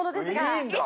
◆いいんだ。